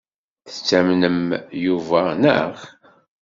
Tettamnem Yuba, naɣ?